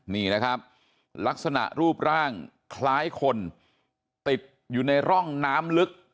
นี่นะครับลักษณะรูปร่างคล้ายคนติดอยู่ในร่องน้ำลึก